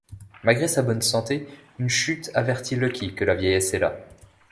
Malgré sa bonne santé, une chute avertit Lucky que la vieillesse est là.